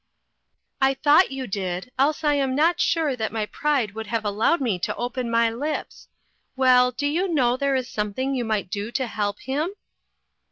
"I thought you did else I am not sure HEW LINES OF WORK. 341 that my pride would have allowed me to open my lips. Well, do you know there is something you might do to help him